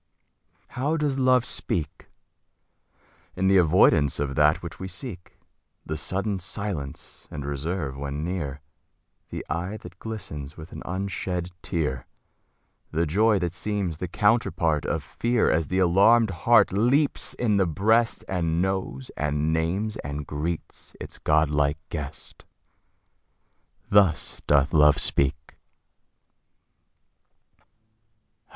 How does Love speak? In the avoidance of that which we seek The sudden silence and reserve when near The eye that glistens with an unshed tear The joy that seems the counterpart of fear, As the alarmed heart leaps in the breast, And knows and names and greets its godlike guest Thus doth Love speak.